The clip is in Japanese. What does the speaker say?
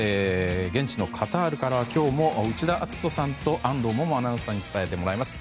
現地のカタールから、今日も内田篤人さんと安藤萌々アナウンサーに伝えてもらいます。